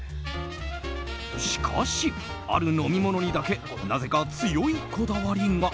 しかし、ある飲み物にだけなぜか強いこだわりが。